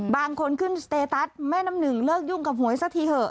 บางคนขึ้นสเตตัสแม่น้ำหนึ่งเลิกยุ่งกับหวยซะทีเถอะ